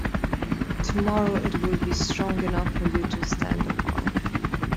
Tomorrow it will be strong enough for you to stand upon.